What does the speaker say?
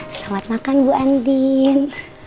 selamat makan bu andin